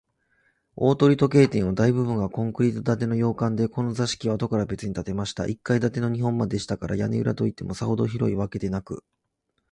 大鳥時計店は、大部分がコンクリート建ての洋館で、この座敷は、あとからべつに建てました一階建ての日本間でしたから、屋根裏といっても、さほど広いわけでなく、